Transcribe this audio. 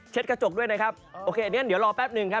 เช็ดกระจกด้วยนะครับโอเคเดี๋ยวรอแป๊บหนึ่งครับ